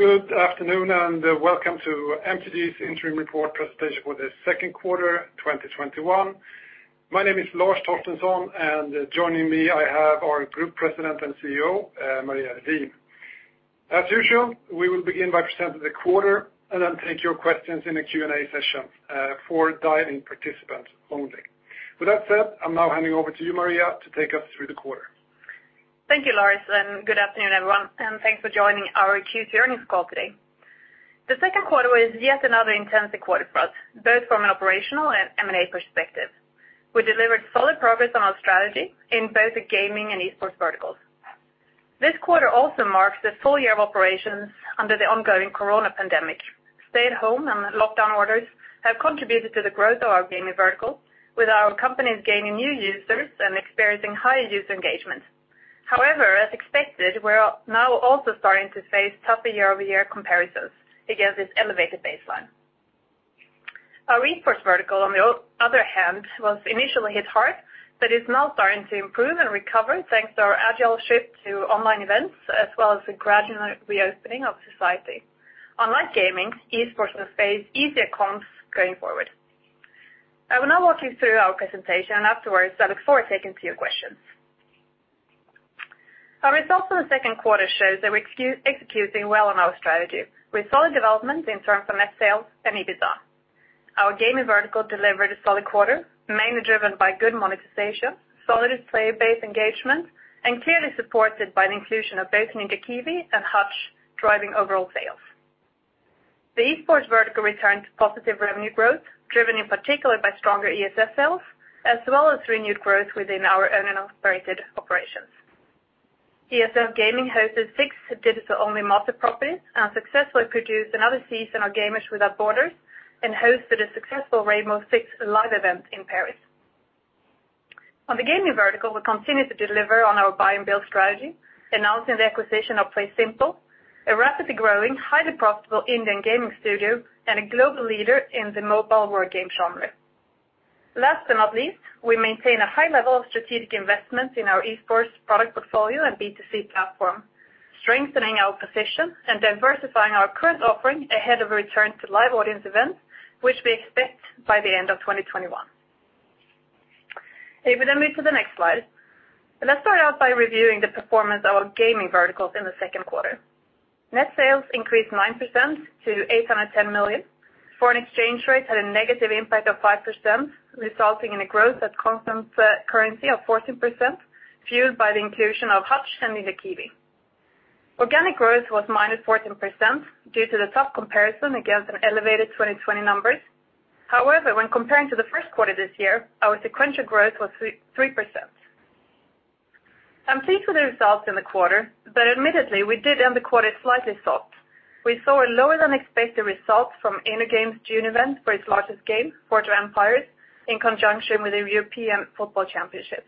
Good afternoon, and welcome to MTG's interim report presentation for the second quarter 2021. My name is Lars Torstensson, and joining me I have our Group President and CEO, Maria Redin. As usual, we will begin by presenting the quarter, and then take your questions in the Q&A session for dialing participants only. With that said, I'm now handing over to you, Maria, to take us through the quarter. Thank you, Lars, and good afternoon, everyone, and thanks for joining our Q2 earnings call today. The second quarter was yet another intensive quarter for us, both from an operational and M&A perspective. We delivered solid progress on our strategy in both the gaming and esports verticals. This quarter also marks the full year of operations under the ongoing Corona pandemic. Stay-at-home and lockdown orders have contributed to the growth of our gaming vertical, with our companies gaining new users and experiencing higher user engagement. As expected, we are now also starting to face tougher year-over-year comparisons against this elevated baseline. Our esports vertical, on the other hand, was initially hit hard, but is now starting to improve and recover thanks to our agile shift to online events, as well as the gradual reopening of society. Unlike gaming, esports will face easier comps going forward. I will now walk you through our presentation. Afterwards, I look forward to taking a few questions. Our results for the second quarter shows that we're executing well on our strategy, with solid development in terms of net sales and EBITDA. Our gaming vertical delivered a solid quarter, mainly driven by good monetization, solid player base engagement, and clearly supported by the inclusion of both Ninja Kiwi and Hutch driving overall sales. The esports vertical returned to positive revenue growth, driven in particular by stronger ESL sales, as well as renewed growth within our own and operated operations. ESL Gaming hosted six digital-only master properties and successfully produced another season of Gamers Without Borders and hosted a successful Rainbow Six live event in Paris. On the gaming vertical, we continued to deliver on our buy and build strategy, announcing the acquisition of PlaySimple, a rapidly growing, highly profitable Indian gaming studio and a global leader in the mobile war game genre. Last but not least, we maintain a high level of strategic investment in our esports product portfolio and B2C platform, strengthening our position and diversifying our current offering ahead of a return to live audience events, which we expect by the end of 2021. David, move to the next slide. Let's start out by reviewing the performance of our gaming verticals in the second quarter. Net sales increased 9% to 810 million. Foreign exchange rates had a negative impact of 5%, resulting in a growth at constant currency of 14%, fueled by the inclusion of Hutch and Ninja Kiwi. Organic growth was -14% due to the tough comparison against an elevated 2020 numbers. When comparing to the first quarter this year, our sequential growth was 3%. I'm pleased with the results in the quarter, but admittedly, we did end the quarter slightly soft. We saw a lower-than-expected result from InnoGames' June event for its largest game, Forge of Empires, in conjunction with the European Football Championship.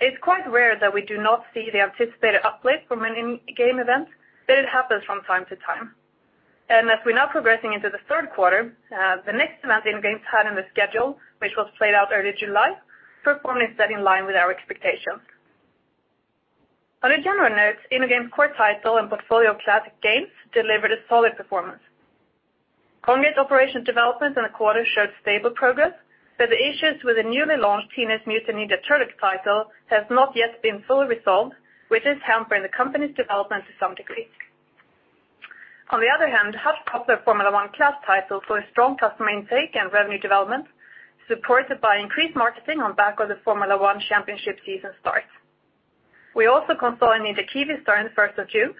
It's quite rare that we do not see the anticipated uplift from an in-game event, but it happens from time to time. As we're now progressing into the third quarter, the next event InnoGames had in the schedule, which was played out early July, performed instead in line with our expectations. On a general note, InnoGames' core title and portfolio of classic games delivered a solid performance. Kongregate operations development in the quarter showed stable progress, but the issues with the newly launched Teenage Mutant Ninja Turtles title has not yet been fully resolved, which is hampering the company's development to some degree. On the other hand, Hutch's popular F1 Clash title saw a strong customer intake and revenue development, supported by increased marketing on back of the Formula One Championship season start. We also consolidated Kiwi starting the 1st of June,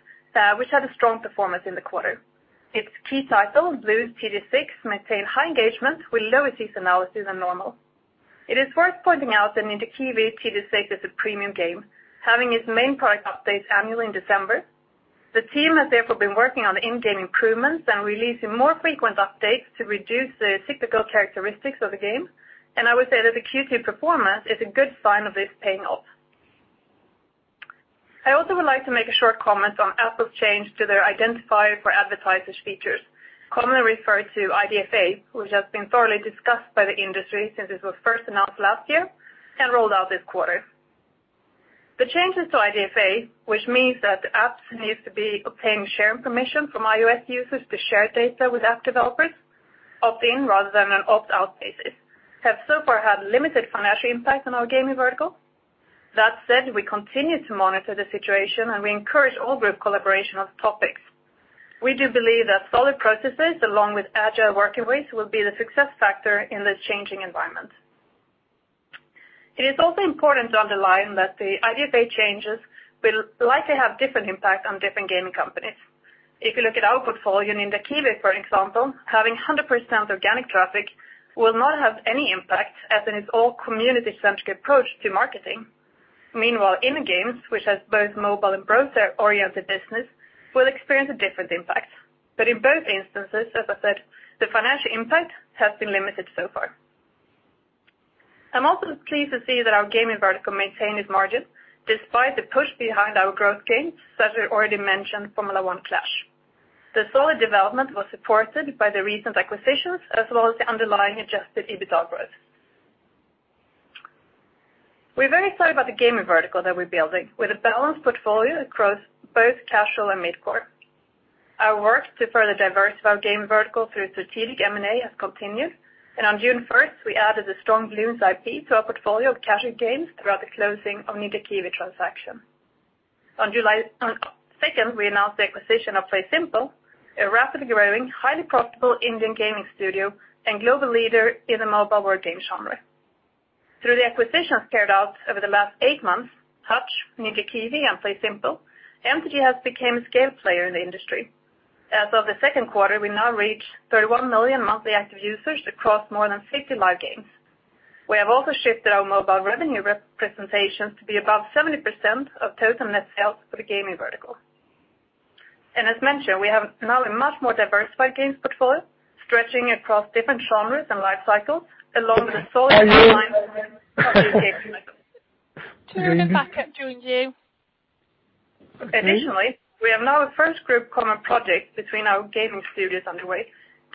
which had a strong performance in the quarter. Its key title, Bloons TD 6, maintained high engagement with lower seasonality than normal. It is worth pointing out that Ninja Kiwi Bloons TD 6 is a premium game, having its main product updates annually in December. The team has therefore been working on in-game improvements and releasing more frequent updates to reduce the cyclical characteristics of the game. I would say that the Q2 performance is a good sign of this paying off. I also would like to make a short comment on Apple's change to their Identifier for Advertisers features, commonly referred to IDFA, which has been thoroughly discussed by the industry since it was first announced last year and rolled out this quarter. The changes to IDFA, which means that apps need to be obtaining share information from iOS users to share data with app developers opt-in rather than an opt-out basis, have so far had limited financial impact on our gaming vertical. That said, we continue to monitor the situation. We encourage all group collaboration on topics. We do believe that solid processes along with agile working ways will be the success factor in this changing environment. It is also important to underline that the IDFA changes will likely have different impact on different gaming companies. If you look at our portfolio, Ninja Kiwi, for example, having 100% organic traffic will not have any impact as in its all community-centric approach to marketing. Meanwhile, InnoGames, which has both mobile and browser-oriented business, will experience a different impact. In both instances, as I said, the financial impact has been limited so far. I'm also pleased to see that our gaming vertical maintained its margin despite the push behind our growth games, such as already mentioned Formula One Clash. The solid development was supported by the recent acquisitions as well as the underlying adjusted EBITDA growth. We're very excited about the gaming vertical that we're building, with a balanced portfolio across both casual and mid-core. Our work to further diversify our gaming vertical through strategic M&A has continued. On June 1st, we added the strong Bloons IP to our portfolio of casual games throughout the closing of Ninja Kiwi transaction. On July 2nd, we announced the acquisition of PlaySimple, a rapidly growing, highly profitable Indian gaming studio and global leader in the mobile word game genre. Through the acquisitions carried out over the last eight months, Hutch, Ninja Kiwi, and PlaySimple, MTG has became a scale player in the industry. As of the second quarter, we now reach 31 million monthly active users across more than 50 live games. We have also shifted our mobile revenue representations to be above 70% of total net sales for the gaming vertical. As mentioned, we have now a much more diversified games portfolio, stretching across different genres and life cycles, along with a solid pipeline of new games in the group. Turn the mic up, Junji. Additionally, we have now a first group common project between our gaming studios underway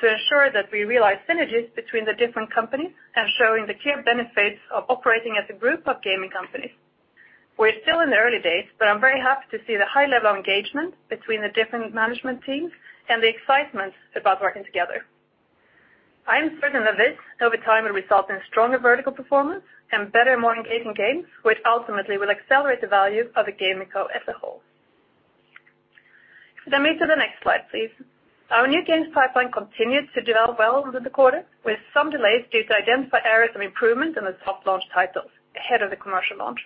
to ensure that we realize synergies between the different companies and showing the clear benefits of operating as a group of gaming companies. We're still in the early days, I'm very happy to see the high level of engagement between the different management teams and the excitement about working together. I am certain that this, over time, will result in stronger vertical performance and better, more engaging games, which ultimately will accelerate the value of the gaming co as a whole. Let me to the next slide, please. Our new games pipeline continued to develop well within the quarter, with some delays due to identified areas of improvement in the soft launch titles ahead of the commercial launch.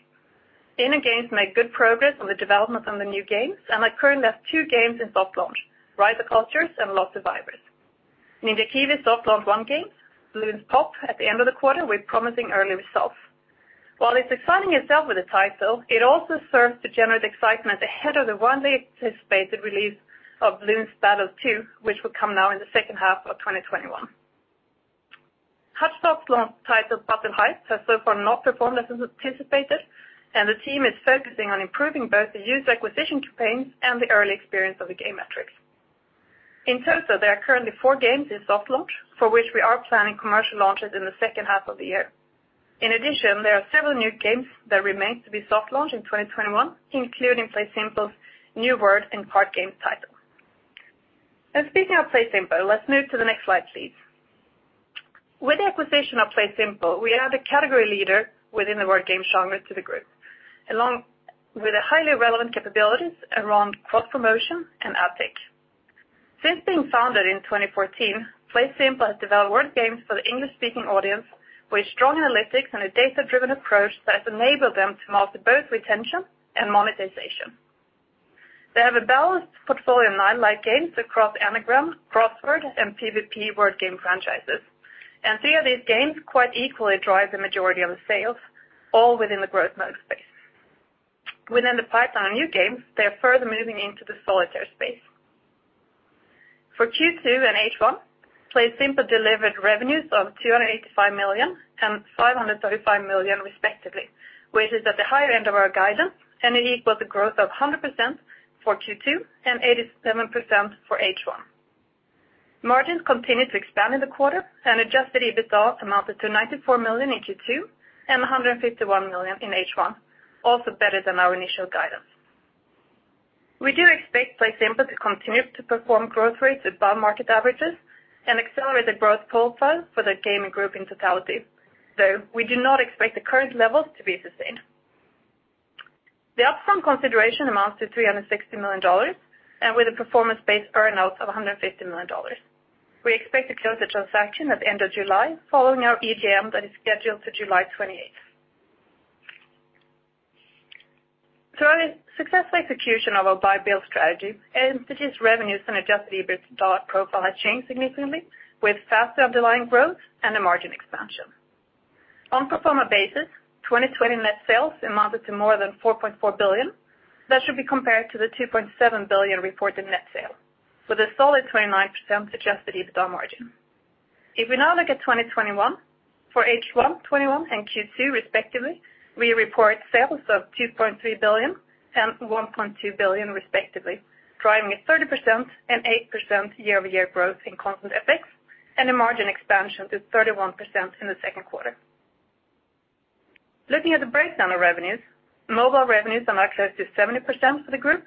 InnoGames made good progress on the development on the new games and currently have two games in soft launch, Rise of Cultures and Lost Survivors. Ninja Kiwi soft launched one game, Bloons Pop!, at the end of the quarter with promising early results. While it's exciting itself with the title, it also serves to generate excitement ahead of the widely anticipated release of Bloons Battles 2, which will come now in the second half of 2021. Hutch soft launched title, Puzzle Heist, has so far not performed as anticipated, and the team is focusing on improving both the user acquisition campaigns and the early experience of the game metrics. In total, there are currently four games in soft launch for which we are planning commercial launches in the second half of the year. In addition, there are several new games that remain to be soft launched in 2021, including PlaySimple's new word and card game title. Speaking of PlaySimple, let's move to the next slide, please. With the acquisition of PlaySimple, we add a category leader within the word game genre to the group, along with a highly relevant capabilities around cross-promotion and ad tech. Since being founded in 2014, PlaySimple has developed word games for the English-speaking audience with strong analytics and a data-driven approach that has enabled them to master both retention and monetization. They have a balanced portfolio of nine live games across Anagram, Crossword, and PVP word game franchises. Three of these games quite equally drive the majority of the sales, all within the growth mode space. Within the pipeline of new games, they are further moving into the solitaire space. For Q2 and H1, PlaySimple delivered revenues of 285 million and 535 million respectively, which is at the higher end of our guidance. It equals a growth of 100% for Q2 and 87% for H1. Margins continued to expand in the quarter. Adjusted EBITDA amounted to 94 million in Q2 and 151 million in H1, also better than our initial guidance. We do expect PlaySimple to continue to perform growth rates above market averages and accelerate the growth profile for the gaming group in totality, though we do not expect the current levels to be sustained. The up-front consideration amounts to $360 million, and with a performance-based earn-out of $150 million. We expect to close the transaction at the end of July, following our AGM that is scheduled for July 28th. Through our successful execution of our buy-build strategy, MTG's revenues and adjusted EBITDA profile have changed significantly with faster underlying growth and a margin expansion. On pro forma basis, 2020 net sales amounted to more than $4.4 billion. That should be compared to the $2.7 billion reported net sale, with a solid 29% adjusted EBITDA margin. We now look at 2021, for H1 2021 and Q2 respectively, we report sales of 2.3 billion and 1.2 billion respectively, driving a 30% and 8% year-over-year growth in constant FX, and a margin expansion to 31% in the second quarter. Looking at the breakdown of revenues, mobile revenues amount close to 70% for the group,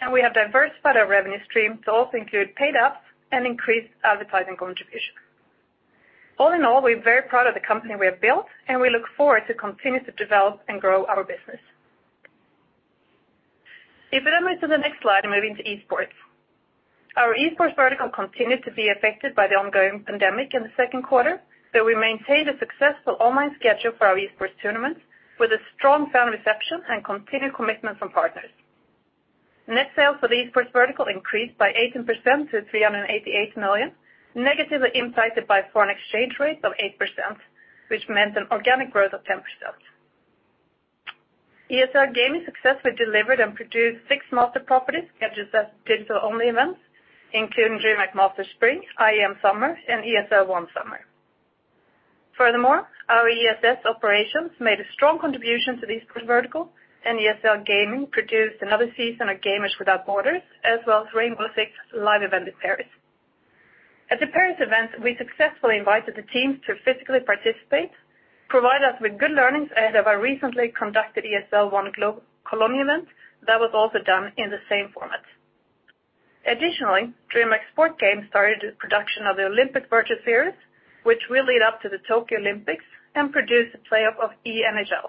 and we have diversified our revenue stream to also include paid ups and increased advertising contribution. All in all, we're very proud of the company we have built, and we look forward to continue to develop and grow our business. We then move to the next slide, moving to esports. Our esports vertical continued to be affected by the ongoing pandemic in the second quarter, though we maintained a successful online schedule for our esports tournaments with a strong fan reception and continued commitment from partners. Net sales for the esports vertical increased by 18% to $388 million, negatively impacted by foreign exchange rates of 8%, which meant an organic growth of 10%. ESL Gaming successfully delivered and produced six Master properties and assessed digital-only events, including DreamHack Masters Spring, IEM Summer, and ESL One Summer. Our ESS operations made a strong contribution to the esports vertical, and ESL Gaming produced another season of Gamers Without Borders, as well as Rainbow Six live event in Paris. At the Paris event, we successfully invited the teams to physically participate, provide us with good learnings ahead of our recently conducted ESL One: Cologne event that was also done in the same format. DreamHack Sports Games started the production of the Olympic Virtual Series, which will lead up to the Tokyo Olympics and produce a playoff of E-NHL.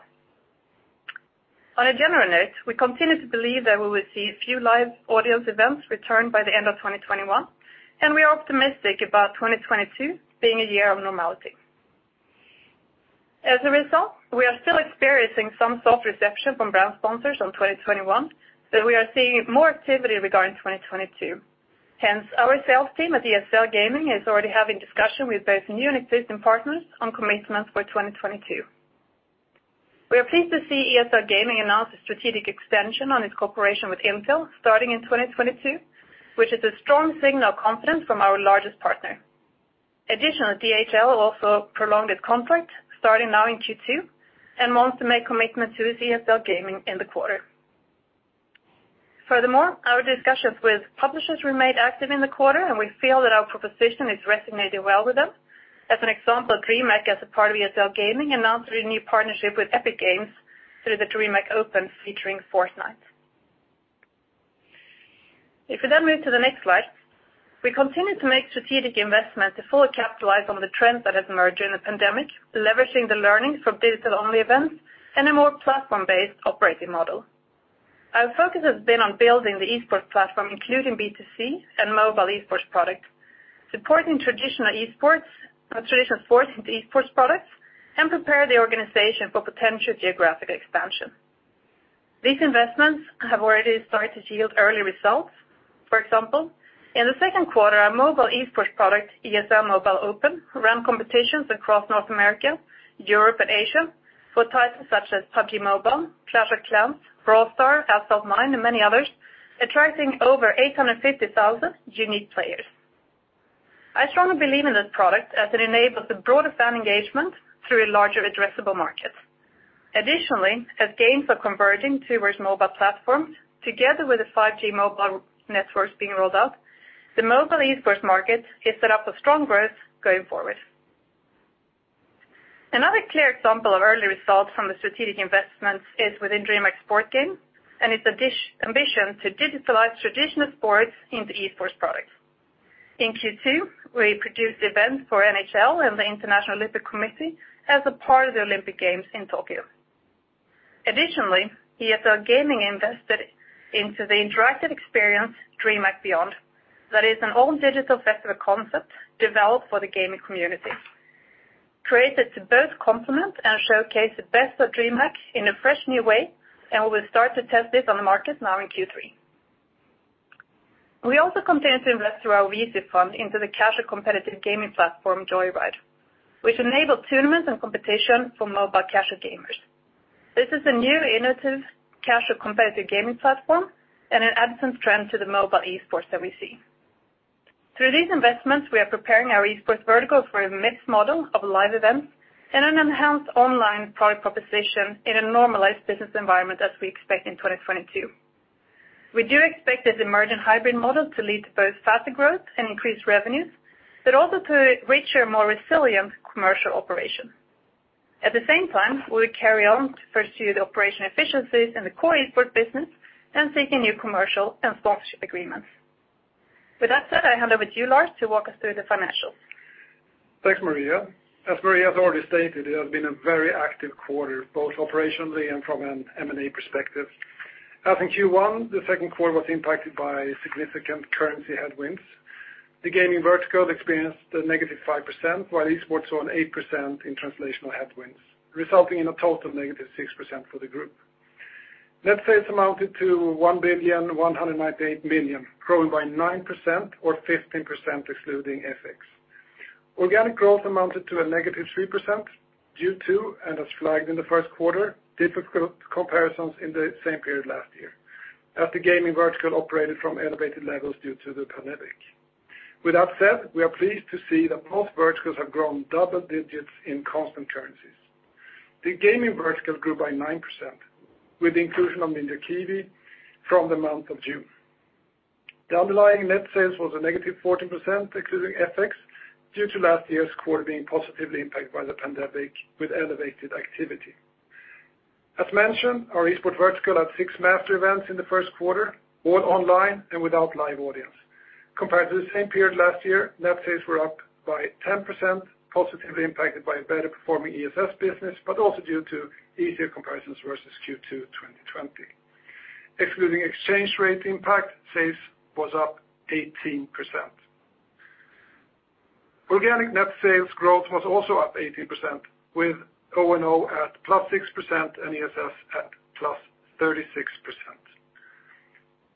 On a general note, we continue to believe that we will see a few live audience events return by the end of 2021, and we are optimistic about 2022 being a year of normality. As a result, we are still experiencing some soft reception from brand sponsors on 2021, but we are seeing more activity regarding 2022. Our sales team at ESL Gaming is already having discussion with both new and existing partners on commitments for 2022. We are pleased to see ESL Gaming announce a strategic extension on its cooperation with Intel starting in 2022, which is a strong signal of confidence from our largest partner. DHL also prolonged its contract starting now in Q2 and wants to make commitment to ESL Gaming in the quarter. Our discussions with publishers remained active in the quarter, and we feel that our proposition is resonating well with them. As an example, DreamHack, as a part of ESL Gaming, announced a new partnership with Epic Games through the DreamHack Open featuring Fortnite. If we move to the next slide, we continue to make strategic investments to fully capitalize on the trends that have emerged during the pandemic, leveraging the learnings from digital-only events and a more platform-based operating model. Our focus has been on building the esports platform, including B2C and mobile esports products, supporting traditional sports into esports products, and prepare the organization for potential geographic expansion. These investments have already started to yield early results. For example, in the second quarter, our mobile esports product, ESL Mobile Open, ran competitions across North America, Europe, and Asia for titles such as "PUBG Mobile," "Clash of Clans," "Brawl Stars," "Asphalt 9," and many others, attracting over 850,000 unique players. I strongly believe in this product as it enables a broader fan engagement through a larger addressable market. Additionally, as games are converging towards mobile platforms together with the 5G mobile networks being rolled out, the mobile esports market is set up for strong growth going forward. Another clear example of early results from the strategic investments is within DreamHack Sports Games and its ambition to digitalize traditional sports into esports products. In Q2, we produced events for NHL and the International Olympic Committee as a part of the Olympic Games in Tokyo. Additionally, ESL Gaming invested into the interactive experience, DreamHack Beyond. That is an all-digital festival concept developed for the gaming community, created to both complement and showcase the best of DreamHack in a fresh, new way, and we'll start to test this on the market now in Q3. We also continue to invest through our VC fund into the casual competitive gaming platform, Joyride, which enabled tournaments and competition for mobile casual gamers. This is a new innovative casual competitive gaming platform and a nascent trend to the mobile esports that we see. Through these investments, we are preparing our esports vertical for a mixed model of live events and an enhanced online product proposition in a normalized business environment as we expect in 2022. We do expect this emerging hybrid model to lead to both faster growth and increased revenues, but also to a richer, more resilient commercial operation. At the same time, we will carry on to pursue the operation efficiencies in the core esports business and seeking new commercial and sponsorship agreements. With that said, I hand over to you, Lars, to walk us through the financials. Thanks, Maria. As Maria has already stated, it has been a very active quarter, both operationally and from an M&A perspective. As in Q1, the second quarter was impacted by significant currency headwinds. The gaming vertical experienced a -5%, while esports saw an 8% in translational headwinds, resulting in a total -6% for the group. Net sales amounted to 1,198 million, growing by 9% or 15% excluding FX. Organic growth amounted to a -3% due to, and as flagged in the first quarter, difficult comparisons in the same period last year as the gaming vertical operated from elevated levels due to the pandemic. With that said, we are pleased to see that both verticals have grown double digits in constant currencies. The gaming vertical grew by 9% with the inclusion of Ninja Kiwi from the month of June. The underlying net sales was a -14%, excluding FX, due to last year's quarter being positively impacted by the pandemic with elevated activity. As mentioned, our esports vertical had six master events in the first quarter, all online and without live audience. Compared to the same period last year, net sales were up by 10%, positively impacted by a better performing ESS business, but also due to easier comparisons versus Q2 2020. Excluding exchange rate impact, sales was up 18%. Organic net sales growth was also up 18%, with O&O at +6% and ESS at +36%.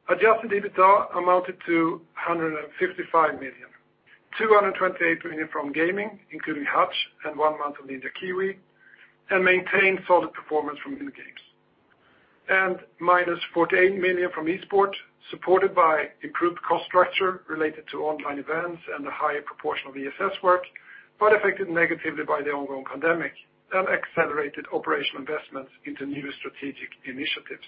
Adjusted EBITDA amounted to 155 million, 228 million from gaming, including Hutch and one month of Ninja Kiwi, and maintained solid performance from InnoGames. -48 million from esports, supported by improved cost structure related to online events and a higher proportion of ESS work, but affected negatively by the ongoing pandemic and accelerated operational investments into new strategic initiatives.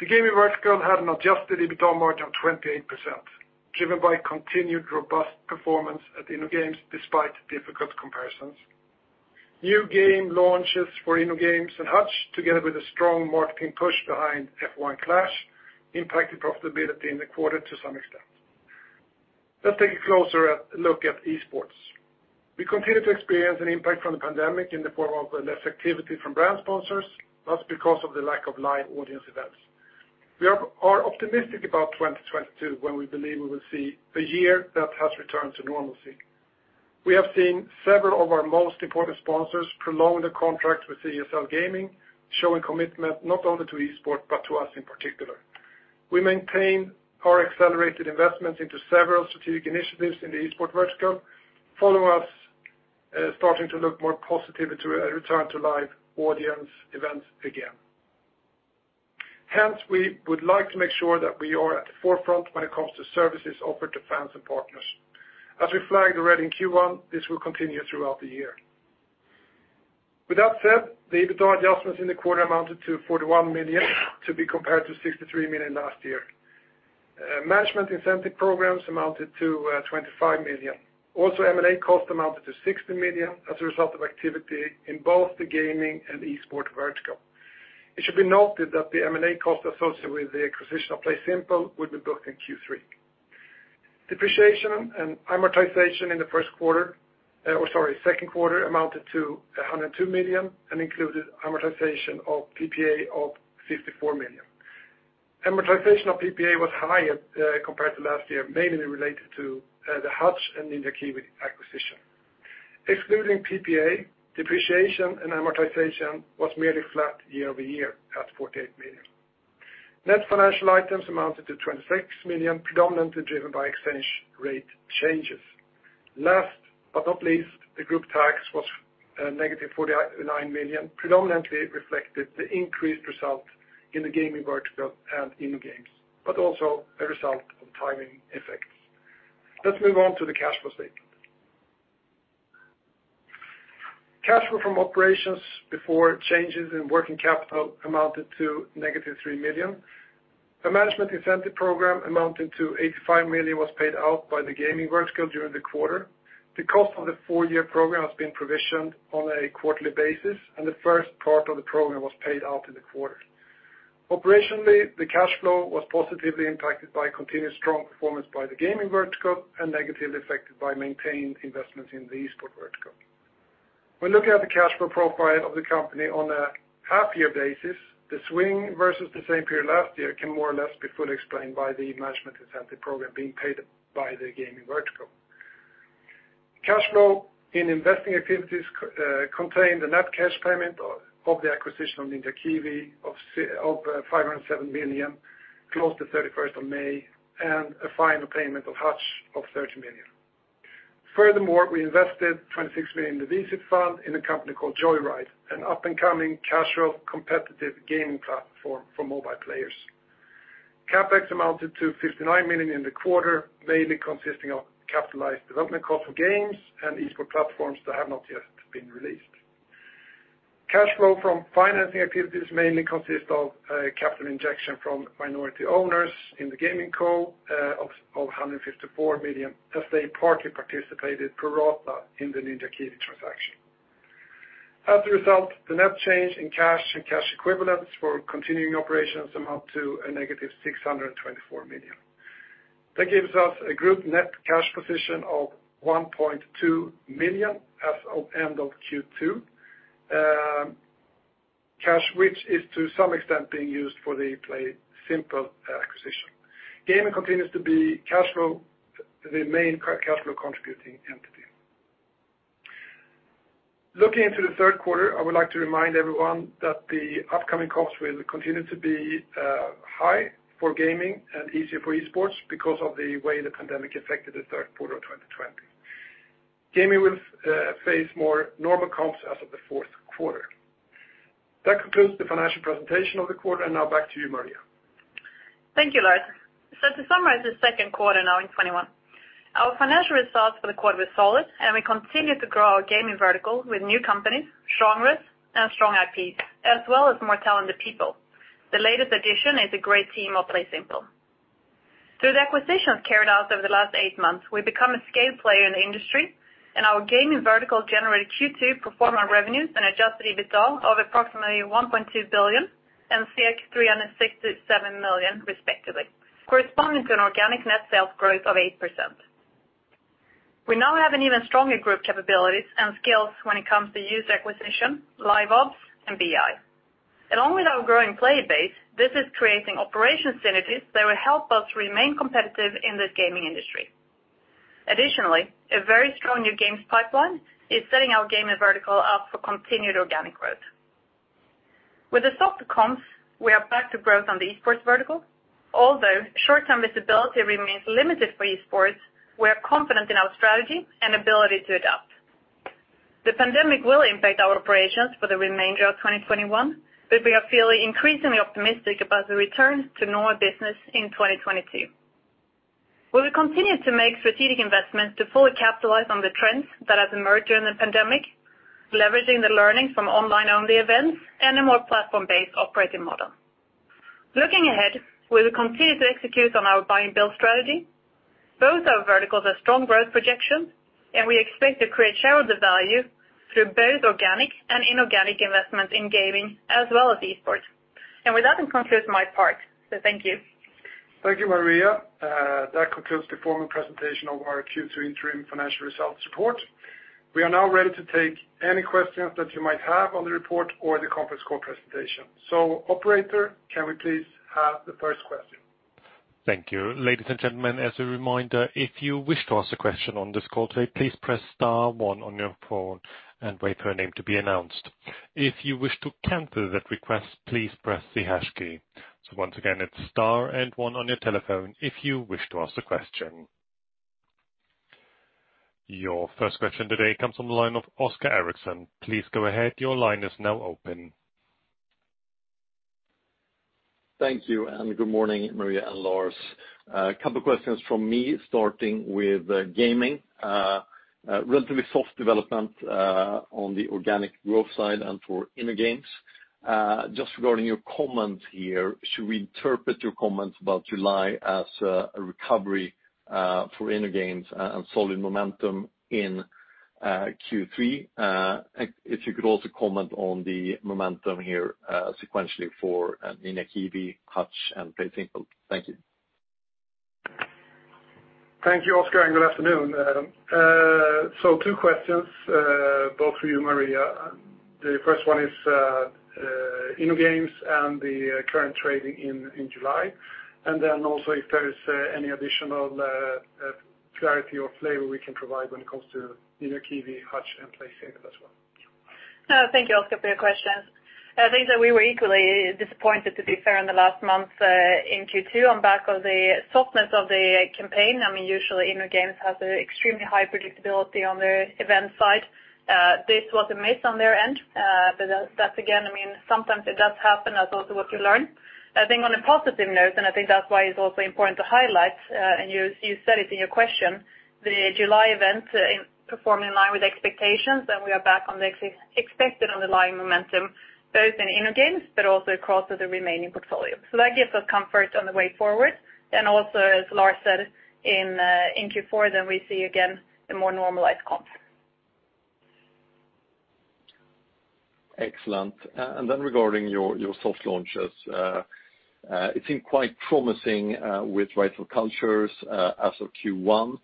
The gaming vertical had an adjusted EBITDA margin of 28%, driven by continued robust performance at InnoGames despite difficult comparisons. New game launches for InnoGames and Hutch, together with a strong marketing push behind F1 Clash, impacted profitability in the quarter to some extent. Let's take a closer look at esports. We continue to experience an impact from the pandemic in the form of less activity from brand sponsors, that's because of the lack of live audience events. We are optimistic about 2022, when we believe we will see a year that has returned to normalcy. We have seen several of our most important sponsors prolong the contract with ESL Gaming, showing commitment not only to esports, but to us in particular. We maintain our accelerated investments into several strategic initiatives in the esports vertical, follower starting to look more positive to a return to live audience events again. Hence, we would like to make sure that we are at the forefront when it comes to services offered to fans and partners. As we flagged already in Q1, this will continue throughout the year. With that said, the EBITDA adjustments in the quarter amounted to 41 million, to be compared to 63 million last year. Management incentive programs amounted to 25 million. Also M&A cost amounted to 60 million as a result of activity in both the gaming and esports vertical. It should be noted that the M&A cost associated with the acquisition of PlaySimple will be booked in Q3. Depreciation and amortization in the second quarter amounted to 102 million and included amortization of PPA of 54 million. Amortization of PPA was higher compared to last year, mainly related to the Hutch and Ninja Kiwi acquisition. Excluding PPA, depreciation and amortization was merely flat year-over-year at 48 million. Net financial items amounted to 26 million, predominantly driven by exchange rate changes. Last but not least, the group tax was negative 49 million, predominantly reflected the increased result in the gaming vertical and in games, but also a result of timing effects. Let's move on to the cash flow statement. Cash flow from operations before changes in working capital amounted to -3 million. A management incentive program amounting to 85 million was paid out by the gaming vertical during the quarter. The cost of the four-year program has been provisioned on a quarterly basis, and the first part of the program was paid out in the quarter. Operationally, the cash flow was positively impacted by continued strong performance by the gaming vertical and negatively affected by maintained investments in the esports vertical. When looking at the cash flow profile of the company on a half-year basis, the swing versus the same period last year can more or less be fully explained by the management incentive program being paid by the gaming vertical. Cash flow in investing activities contained the net cash payment of the acquisition of Ninja Kiwi of 507 million, close to May 31st, and a final payment of Hutch of 30 million. Furthermore, we invested 26 million in the VC Fund in a company called Joyride, an up-and-coming casual competitive gaming platform for mobile players. CapEx amounted to 59 million in the quarter, mainly consisting of capitalized development costs for games and esports platforms that have not yet been released. Cash flow from financing activities mainly consist of a capital injection from minority owners in the gaming co of 154 million, as they partly participated pro rata in the Ninja Kiwi transaction. As a result, the net change in cash and cash equivalents for continuing operations amount to a -624 million. That gives us a group net cash position of 1.2 million as of end of Q2. Cash which is to some extent being used for the PlaySimple acquisition. Gaming continues to be the main cash flow contributing entity. Looking into the third quarter, I would like to remind everyone that the upcoming comps will continue to be high for gaming and easier for esports because of the way the pandemic affected the third quarter of 2020. Gaming will face more normal comps as of the fourth quarter. That concludes the financial presentation of the quarter, and now back to you, Maria. Thank you, Lars. To summarize the second quarter now in 2021. Our financial results for the quarter were solid, and we continue to grow our gaming vertical with new companies, strong risks, and strong IPs, as well as more talented people. The latest addition is a great team of PlaySimple. Through the acquisitions carried out over the last eight months, we've become a scale player in the industry, and our gaming vertical generated Q2 pro forma revenues and adjusted EBITDA of approximately 1.2 billion and 367 million respectively, corresponding to an organic net sales growth of 8%. We now have an even stronger group capabilities and skills when it comes to user acquisition, live ops, and BI. Along with our growing player base, this is creating operation synergies that will help us remain competitive in this gaming industry. Additionally, a very strong new games pipeline is setting our gaming vertical up for continued organic growth. With the softer comps, we are back to growth on the esports vertical. Although short-term visibility remains limited for esports, we are confident in our strategy and ability to adapt. The pandemic will impact our operations for the remainder of 2021, but we are feeling increasingly optimistic about the return to normal business in 2022. We will continue to make strategic investments to fully capitalize on the trends that have emerged during the pandemic, leveraging the learnings from online-only events and a more platform-based operating model. Looking ahead, we will continue to execute on our buy and build strategy. Both our verticals have strong growth projections, and we expect to create shareholder value through both organic and inorganic investment in gaming as well as esports. With that, I conclude my part, so thank you. Thank you, Maria. That concludes the formal presentation of our Q2 interim financial results report. We are now ready to take any questions that you might have on the report or the conference call presentation. Operator, can we please have the first question? Thank you. Ladies and gentlemen, as a reminder, if you wish to ask a question on this call today, please press star one on your phone and wait for your name to be announced. If you wish to cancel that request, please press the hash key. Once again, it's star and one on your telephone if you wish to ask a question. Your first question today comes from the line of Oskar Eriksson. Please go ahead. Your line is now open. Thank you, and good morning, Maria and Lars. A couple of questions from me, starting with gaming. Relatively soft development on the organic growth side and for InnoGames. Just regarding your comment here, should we interpret your comments about July as a recovery for InnoGames and solid momentum in Q3? If you could also comment on the momentum here sequentially for Ninja Kiwi, Hutch, and PlaySimple. Thank you. Thank you, Oskar, and good afternoon. Two questions, both for you, Maria. The first one is InnoGames and the current trading in July, if there's any additional clarity or flavor we can provide when it comes to Ninja Kiwi, Hutch, and PlaySimple as well. Thank you, Oskar, for your questions. I think that we were equally disappointed, to be fair, in the last month in Q2 on back of the softness of the campaign. Usually InnoGames has extremely high predictability on their event side. This was a miss on their end. That again, sometimes it does happen. That's also what we learn. I think on a positive note, and I think that's why it's also important to highlight, and you said it in your question, the July event performed in line with expectations, and we are back on the expected underlying momentum, both in InnoGames but also across the remaining portfolio. That gives us comfort on the way forward. Also, as Lars said, in Q4 then we see again a more normalized comp. Excellent. Regarding your soft launches, it seemed quite promising with Rise of Cultures as of Q1.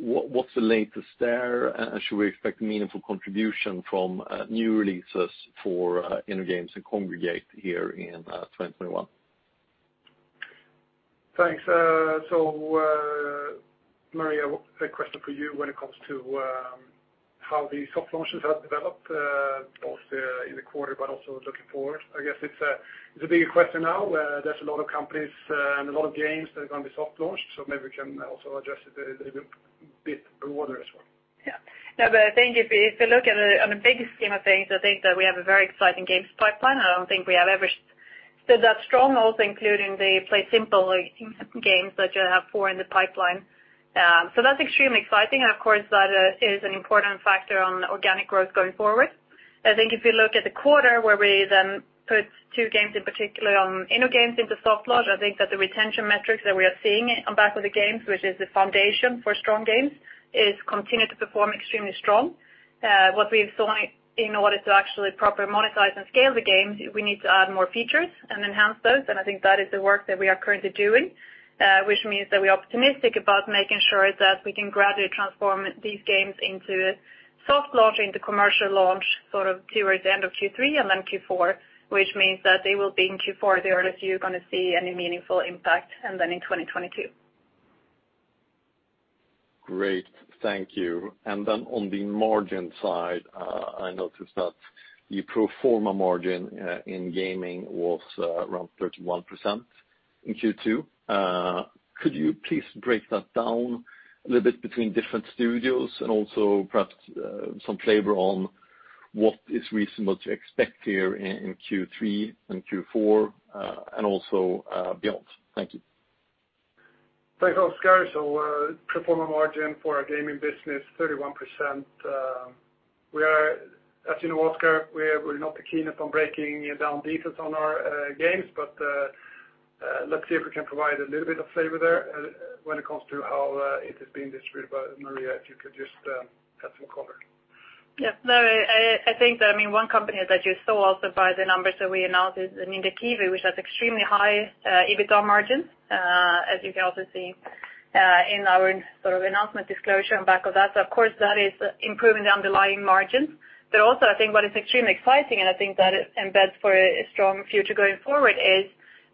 What's the latest there? Should we expect meaningful contribution from new releases for InnoGames and Kongregate here in 2021? Thanks. Maria, a question for you when it comes to how the soft launches have developed, both in the quarter but also looking forward. I guess it's a bigger question now. There's a lot of companies and a lot of games that are going to be soft launched, so maybe we can also address it a little bit broader as well. No, I think if you look on the bigger scheme of things, I think that we have a very exciting games pipeline. I don't think we have ever stood that strong, also including the PlaySimple games that you have four in the pipeline. That's extremely exciting, and of course, that is an important factor on organic growth going forward. I think if you look at the quarter where we then put two games in particular on InnoGames into soft launch, I think that the retention metrics that we are seeing on back of the games, which is the foundation for strong games, is continue to perform extremely strong. What we saw in order to actually properly monetize and scale the games, we need to add more features and enhance those, and I think that is the work that we are currently doing, which means that we are optimistic about making sure that we can gradually transform these games into soft launch, into commercial launch, sort of towards the end of Q3 and then Q4, which means that they will be in Q4 there if you're going to see any meaningful impact, and then in 2022. Great. Thank you. On the margin side, I noticed that the pro forma margin in gaming was around 31% in Q2. Could you please break that down a little bit between different studios and also perhaps some flavor on what is reasonable to expect here in Q3 and Q4, and also beyond? Thank you. Thanks, Oskar. pro forma margin for our gaming business, 31%. As you know, Oskar, we're not keen on breaking down details on our games, but let's see if we can provide a little bit of flavor there when it comes to how it is being distributed. Maria, if you could just add some color. Yes. No, I think that one company that you saw also by the numbers that we announced is Ninja Kiwi, which has extremely high EBITDA margins, as you can also see in our announcement disclosure on back of that. Of course, that is improving the underlying margins. Also I think what is extremely exciting, and I think that it embeds for a strong future going forward, is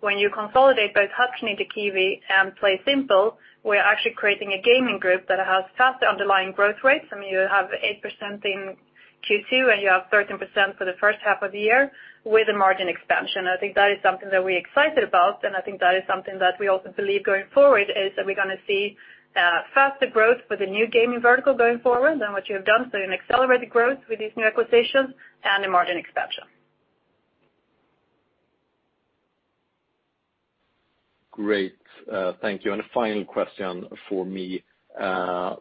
when you consolidate both Hutch, Ninja Kiwi, and PlaySimple, we are actually creating a gaming group that has faster underlying growth rates. You have 8% in Q2, and you have 13% for the first half of the year with a margin expansion. I think that is something that we're excited about, and I think that is something that we also believe going forward is that we're going to see faster growth for the new gaming vertical going forward than what you have done. An accelerated growth with these new acquisitions and a margin expansion. Great. Thank you. Final question for me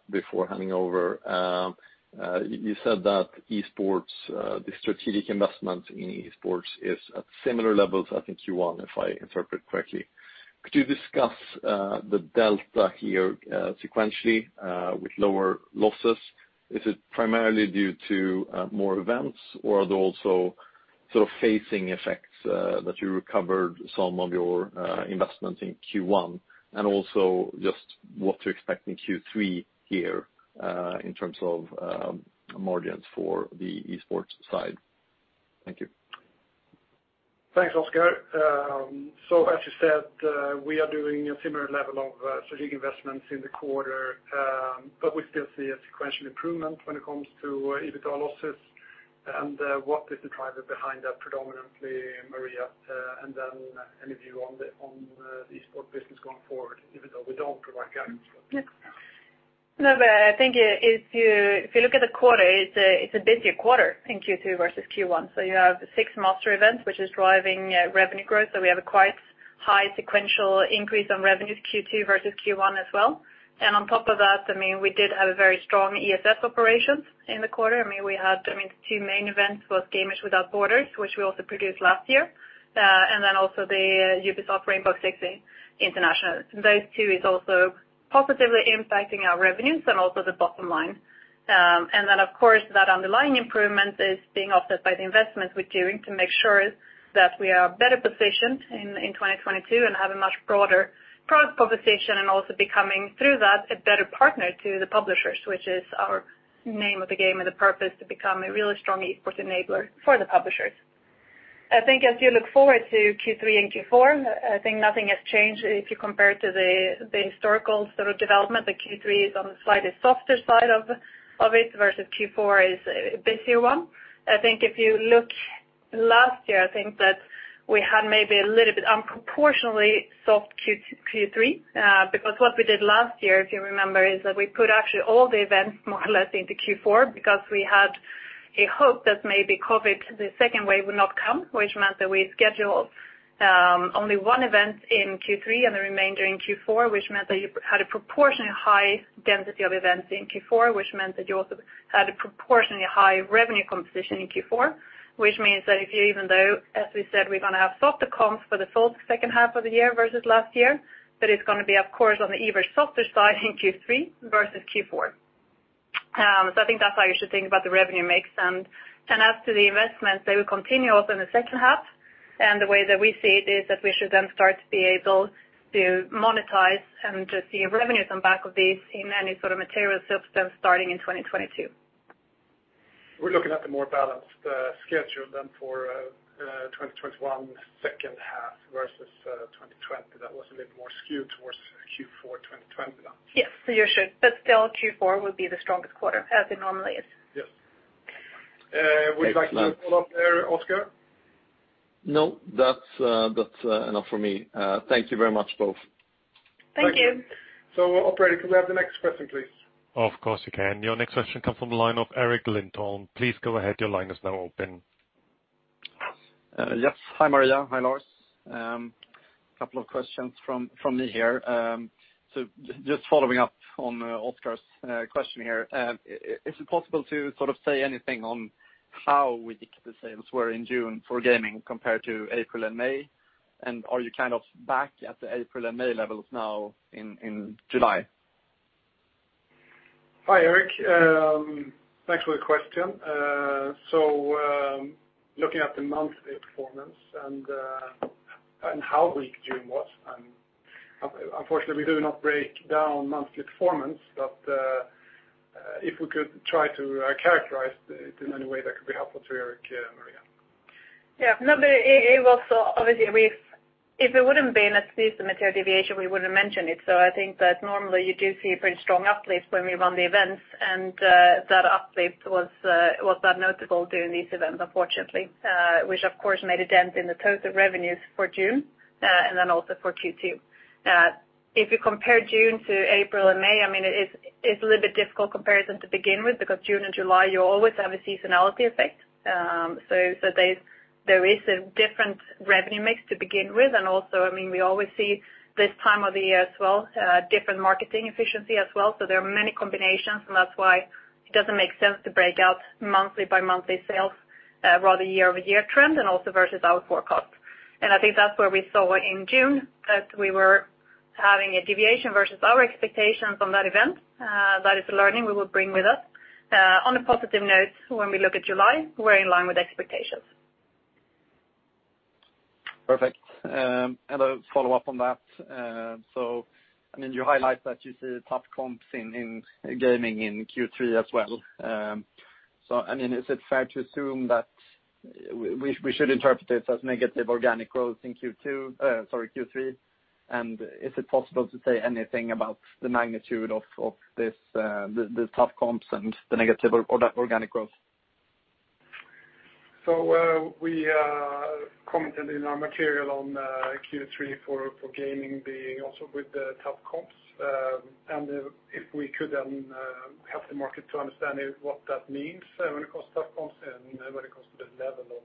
before handing over. You said that the strategic investment in esports is at similar levels, I think Q1, if I interpret correctly. Could you discuss the delta here sequentially with lower losses? Is it primarily due to more events, or are there also phasing effects that you recovered some of your investments in Q1? Also just what to expect in Q3 here in terms of margins for the esports side. Thank you. Thanks, Oskar. As you said, we are doing a similar level of strategic investments in the quarter, but we still see a sequential improvement when it comes to EBITDA losses. What is the driver behind that? Predominantly Maria, and then any view on the esports business going forward, even though we don't provide guidance for it. I think if you look at the quarter, it's a busier quarter in Q2 versus Q1. You have six Master events, which is driving revenue growth. We have a quite high sequential increase on revenues Q2 versus Q1 as well. On top of that, we did have a very strong ESL operation in the quarter. We had two main events, both Gamers Without Borders, which we also produced last year, and then also the Ubisoft Rainbow Six International. Those two is also positively impacting our revenues and also the bottom line. Of course, that underlying improvement is being offset by the investments we're doing to make sure that we are better positioned in 2022 and have a much broader product proposition and also becoming, through that, a better partner to the publishers, which is our name of the game and the purpose. To become a really strong esports enabler for the publishers. I think as you look forward to Q3 and Q4, I think nothing has changed if you compare to the historical sort of development, the Q3 is on the slightly softer side of it, versus Q4 is a busier one. I think if you look last year, I think that we had maybe a little bit unproportionally soft Q3, because what we did last year, if you remember, is that we put actually all the events more or less into Q4 because we had a hope that maybe COVID, the second wave would not come, which meant that we scheduled only one event in Q3 and the remainder in Q4, which meant that you had a proportionally high density of events in Q4, which meant that you also had a proportionally high revenue composition in Q4, which means that even though, as we said, we're going to have softer comps for the second half of the year versus last year, but it's going to be, of course, on the ever softer side in Q3 versus Q4. I think that's how you should think about the revenue mix. As to the investments, they will continue also in the second half. The way that we see it is that we should then start to be able to monetize and to see revenues on back of these in any sort of material substance starting in 2022. We're looking at the more balanced schedule then for 2021 second half versus 2020. That was a bit more skewed towards Q4 2020. Yes, you should. Still Q4 will be the strongest quarter, as it normally is. Yes. Would you like to follow-up there, Oskar? No, that's enough for me. Thank you very much, both. Thank you. Operator, could we have the next question, please? Of course, you can. Your next question comes from the line of Eric Linton. Please go ahead. Yes. Hi, Maria. Hi, Lars. Couple of questions from me here. Just following up on Oskar's question here. Is it possible to sort of say anything on how weak the sales were in June for gaming compared to April and May? Are you kind of back at the April and May levels now in July? Hi, Eric. Thanks for the question. Looking at the monthly performance and how weak June was, and unfortunately, we do not break down monthly performance. If we could try to characterize it in any way that could be helpful to Eric, Maria. If it wouldn't been at least a material deviation, we wouldn't mention it. I think that normally you do see a pretty strong uplift when we run the events, and that uplift was that notable during these events, unfortunately, which of course, made a dent in the total revenues for June and then also for Q2. If you compare June to April and May, it's a little bit difficult comparison to begin with because June and July, you always have a seasonality effect. There is a different revenue mix to begin with. We always see this time of the year as well, different marketing efficiency as well. There are many combinations, and that's why it doesn't make sense to break out monthly by monthly sales, rather year-over-year trend and also versus our forecast. I think that's where we saw in June that we were having a deviation versus our expectations on that event. That is a learning we will bring with us. On a positive note, when we look at July, we're in line with expectations. Perfect. A follow-up on that. You highlight that you see tough comps in gaming in Q3 as well. Is it fair to assume that we should interpret it as negative organic growth in Q3? Is it possible to say anything about the magnitude of the tough comps and the negative organic growth? We commented in our material on Q3 for gaming being also with the tough comps. If we could then We have the market to understand what that means when it comes to tough comps and when it comes to the level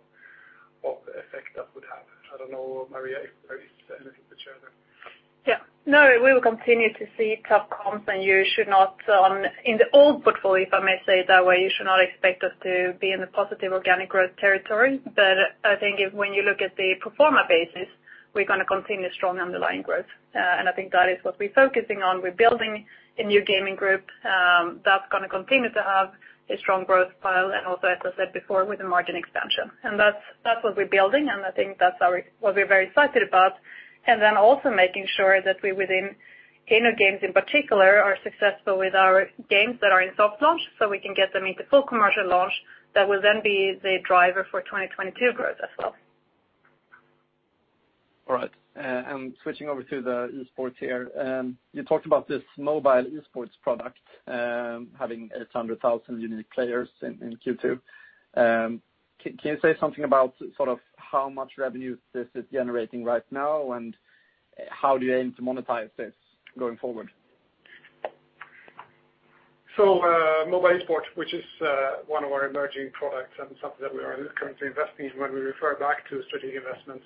of the effect that would have. I don't know, Maria, if there is anything to share there. No, we will continue to see tough comps, and in the old portfolio, if I may say it that way, you should not expect us to be in the positive organic growth territory. I think if when you look at the pro forma basis, we're going to continue strong underlying growth. I think that is what we're focusing on. We're building a new gaming group that's going to continue to have a strong growth pile, and also, as I said before, with the margin expansion. That's what we're building, and I think that's what we're very excited about. Also making sure that we within InnoGames in particular, are successful with our games that are in soft launch, so we can get them into full commercial launch. That will then be the driver for 2022 growth as well. All right. Switching over to the esports here. You talked about this mobile esports product, having 800,000 unique players in Q2. Can you say something about how much revenue this is generating right now, and how do you aim to monetize this going forward? Mobile esport, which is one of our emerging products and something that we are currently investing in when we refer back to strategic investments.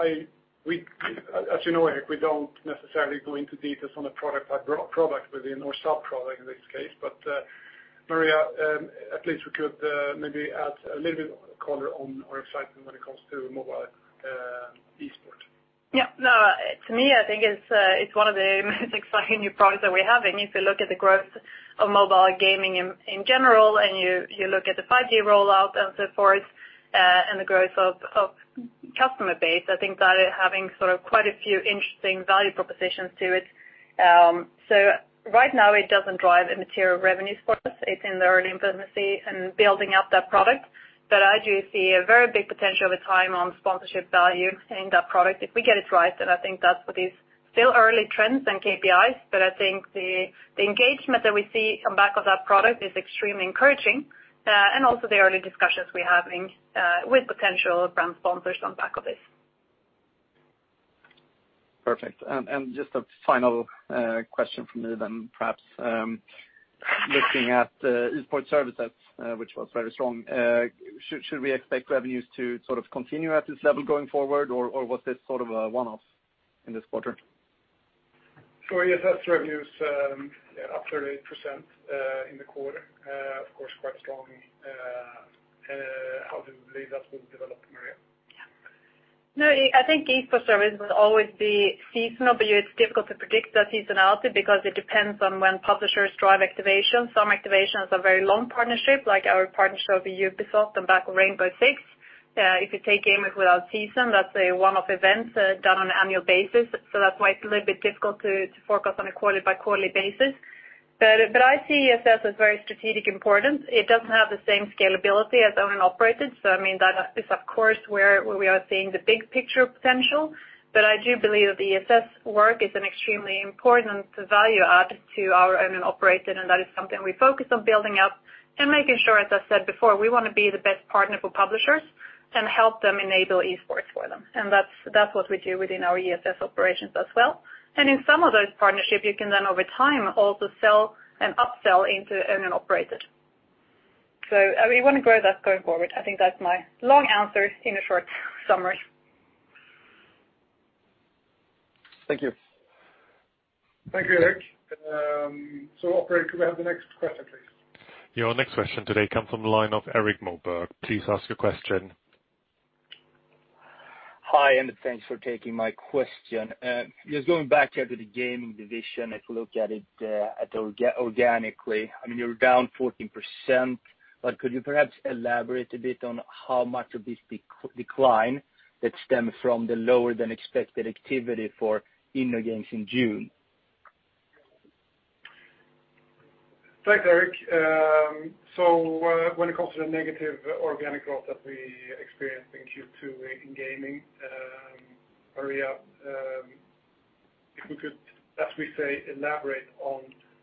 As you know, Eric, we don't necessarily go into details on a product within or sub-product in this case. Maria, at least we could maybe add a little bit of color on our excitement when it comes to mobile esport. Yeah. To me, I think it's one of the most exciting new products that we have. If you look at the growth of mobile gaming in general, and you look at the 5G rollout and so forth, and the growth of customer base, I think that it having sort of quite a few interesting value propositions to it. Right now it doesn't drive a material revenue for us. It's in the early infancy and building out that product. I do see a very big potential over time on sponsorship value in that product if we get it right. I think that for these still early trends and KPIs, but I think the engagement that we see on back of that product is extremely encouraging. Also the early discussions we're having with potential brand sponsors on back of this. Perfect. Just a final question from me then perhaps, looking at the esports services, which was very strong. Should we expect revenues to sort of continue at this level going forward, or was this sort of a one-off in this quarter? ESS revenues up 38% in the quarter. Of course, quite strong. How do you believe that will develop, Maria? I think esports service will always be seasonal. It's difficult to predict that seasonality because it depends on when publishers drive activation. Some activations are very long partnership, like our partnership with Ubisoft on back of Rainbow Six. If you take Gamers Without Borders, that's a one-off event done on an annual basis. That's why it's a little bit difficult to forecast on a quarterly by quarterly basis. I see ESS as very strategic importance. It doesn't have the same scalability as owned and operated. I mean, that is of course where we are seeing the big picture potential. I do believe the ESS work is an extremely important value add to our owned and operated, and that is something we focus on building up and making sure, as I said before, we want to be the best partner for publishers and help them enable esports for them. That's what we do within our ESS operations as well. In some of those partnership, you can then over time also sell and upsell into owned and operated. We want to grow that going forward. I think that's my long answer in a short summary. Thank you. Thank you, Eric. Operator, could we have the next question, please? Your next question today comes from the line of Erik Moberg. Please ask your question. Hi, and thanks for taking my question. Just going back here to the gaming division. If you look at it organically, I mean you're down 14%, but could you perhaps elaborate a bit on how much of this decline that stemmed from the lower than expected activity for InnoGames in June? Thanks, Erik. When it comes to the negative organic growth that we experienced in Q2 in gaming, Maria, if we could, as we say, elaborate on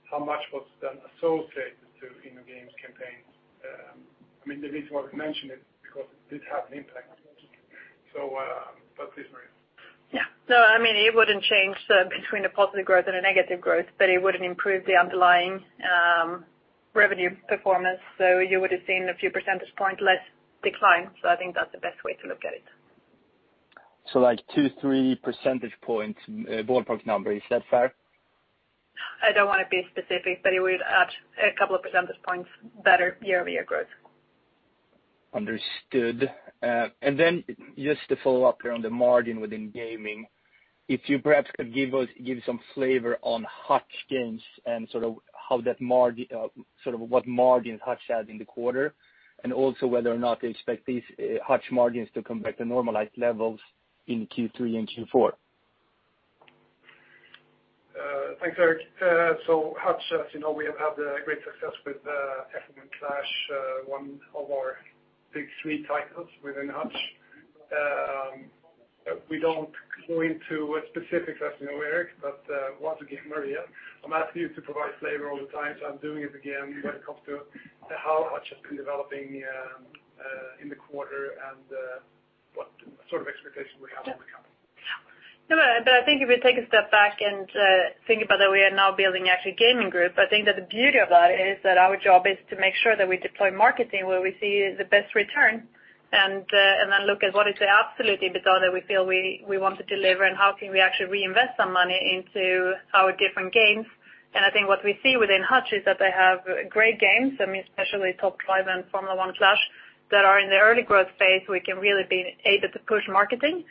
how much was then associated to InnoGames campaigns. I mean, the reason why we mention it, because it did have an impact. Please, Maria. Yeah. No, I mean, it wouldn't change between the positive growth and the negative growth, but it wouldn't improve the underlying revenue performance. You would've seen a few percentage point less decline. I think that's the best way to look at it. Like 2 percentage points, 3 percentage points ballpark number, is that fair? I don't want to be specific, but it would add a couple of percentage points better year-over-year growth. Understood. Then just to follow up here on the margin within gaming, if you perhaps could give some flavor on Hutch Games and sort of what margins Hutch had in the quarter, and also whether or not you expect these Hutch margins to come back to normalized levels in Q3 and Q4. Thanks, Erik. Hutch, as you know, we have had great success with F1 and Clash, one of our big three titles within Hutch. We don't go into specifics, as you know, Erik, once again, Maria, I'm asking you to provide flavor all the time, I'm doing it again when it comes to how Hutch has been developing in the quarter and sort of expectation we have on the company. If we take a step back and think about that we are now building actually gaming group, the beauty of that is that our job is to make sure that we deploy marketing where we see the best return, then look at what is the absolute EBITDA that we feel we want to deliver and how can we actually reinvest some money into our different games. What we see within Hutch is that they have great games, especially Top Drives and F1 Clash, that are in the early growth phase, we can really be able to push marketing.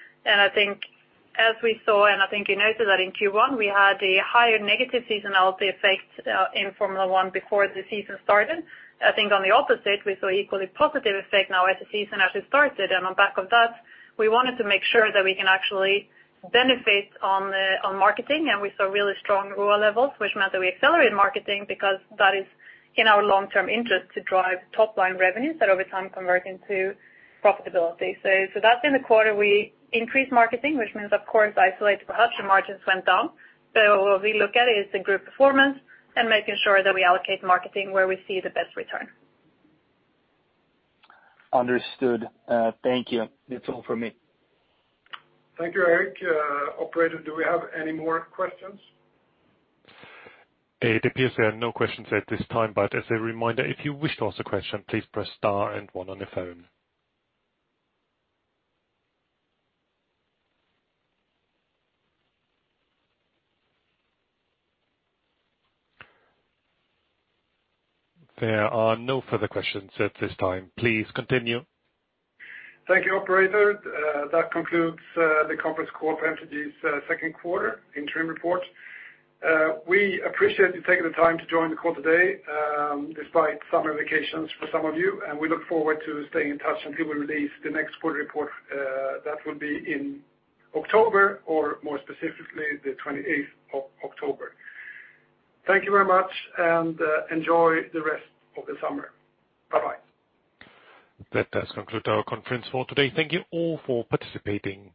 As we saw, you noted that in Q1, we had a higher negative seasonality effect in F1 Clash before the season started. I think on the opposite, we saw equally positive effect now as the season actually started. On back of that, we wanted to make sure that we can actually benefit on marketing, and we saw really strong ROAS levels, which meant that we accelerated marketing because that is in our long-term interest to drive top-line revenues that over time convert into profitability. That's in the quarter we increased marketing, which means of course isolated to Hutch, the margins went down. What we look at is the group performance and making sure that we allocate marketing where we see the best return. Understood. Thank you. That's all for me. Thank you, Erik. Operator, do we have any more questions? It appears there are no questions at this time. But as a reminder, if you wish to ask a question, please press star and one on your phone. There are no further questions at this time. Please continue. Thank you operator. That concludes the conference call for MTG's second quarter interim report. We appreciate you taking the time to join the call today, despite summer vacations for some of you, and we look forward to staying in touch until we release the next quarter report. That will be in October or more specifically the 28th of October. Thank you very much and enjoy the rest of the summer. Bye-bye. That does conclude our conference call today. Thank you all for participating.